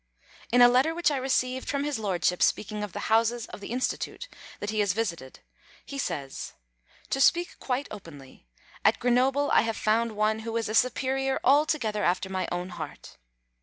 In a letter which I received from his Lordship speaking of the houses (of the Institute) that he has visited, he says: "To speak quite openly, at Grenoble I have found one who is a Superior altogether after my own heart."